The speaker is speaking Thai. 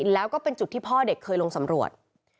แล้วก็เป็นจุดที่พ่อเด็กเคยลงสำรวจ